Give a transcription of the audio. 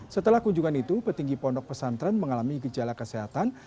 setelah kunjungan itu petinggi pondok pesantren mengalami gejala kesehatan